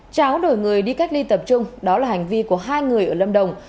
tráo đổi người đi cách ly tập trung đó là hành vi của hai người ở lâm đồng